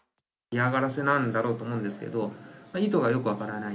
嫌がらせなんだろうと思うんですけれども、意図がよく分からない。